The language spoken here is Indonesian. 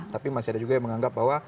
tapi masih ada juga yang menganggap bahwa